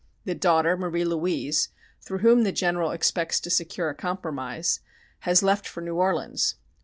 The daughter, Marie Louise, through whom the General expects to secure a compromise, has left for New Orleans.